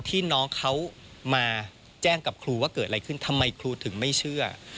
ที่น้องเขามาแจ้งกับครูว่าเกิดอะไรขึ้นทำไมครูถึงไม่เชื่อ